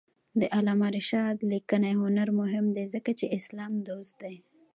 د علامه رشاد لیکنی هنر مهم دی ځکه چې اسلام دوست دی.